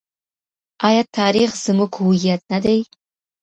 آیا تاریخ زموږ هویت نه دی؟